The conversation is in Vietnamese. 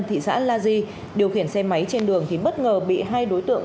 thị xã la di điều khiển xe máy trên đường thì bất ngờ bị hai đối tượng